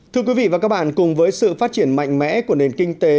thưa quý vị và các bạn cùng với sự phát triển mạnh mẽ của nền kinh tế